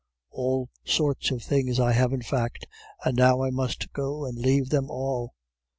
All sorts of things I have in fact, and now I must go and leave them all.